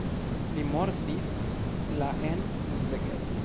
Li mortis la en Szeged.